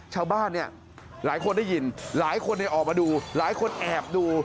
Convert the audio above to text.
ชาวบ้านเนี่ยหลายคนได้ยินหลายคนออกมาดูหลายคนแอบดู